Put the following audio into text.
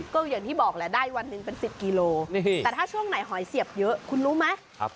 ก็อย่างที่บอกแหละได้วันหนึ่งเป็น๑๐กิโลแต่ถ้าช่วงไหนหอยเสียบเยอะคุณรู้ไหม